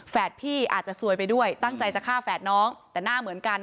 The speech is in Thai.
พี่อาจจะซวยไปด้วยตั้งใจจะฆ่าแฝดน้องแต่หน้าเหมือนกัน